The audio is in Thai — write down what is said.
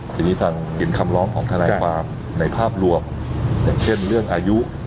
ทีนี้ทางเห็นคำร้องของทนายความในภาพรวมอย่างเช่นเรื่องอายุ